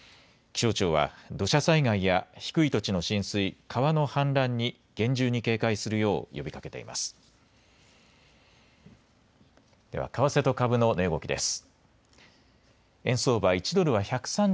気象庁は、土砂災害や低い土地の浸水、川の氾濫に厳重に警戒するよう呼びかけています。